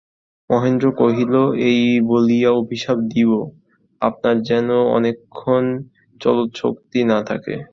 মহেন্দ্র কহিল, এই বলিয়া অভিশাপ দিব, আপনার যেন অনেকক্ষণ চলৎশক্তি না থাকে।